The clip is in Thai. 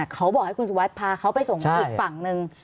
เขาบอกให้คุณสุวัสดิ์พาเขาไปส่งอีกฝั่งหนึ่ง